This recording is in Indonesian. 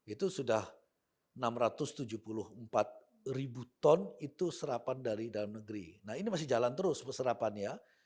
itu sudah enam ratus tujuh puluh empat ribu ton itu serapan dari dalam negeri nah ini masih jalan terus peserapannya